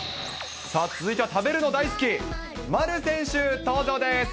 続いては食べるの大好き、丸選手登場です。